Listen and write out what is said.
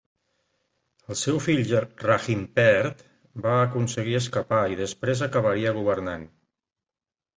El seu fill Raginpert va aconseguir escapar i després acabaria governant.